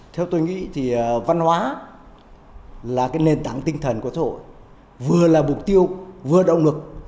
theo tôi nghĩ thì văn hóa là cái nền tảng tinh thần của thổ vừa là mục tiêu vừa động lực